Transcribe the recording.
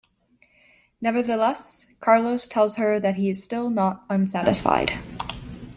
Nevertheless, Carlos tells her that he still is not unsatisfied.